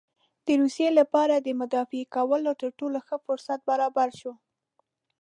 د روسیې لپاره د مداخلې کولو تر ټولو ښه فرصت برابر شو.